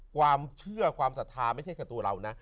ความเชื่อความศรัทธาไม่ใช่แค่ตัวเรานะ